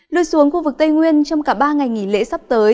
lui xuống khu vực tây nguyên trong cả ba ngày nghỉ lễ sắp tới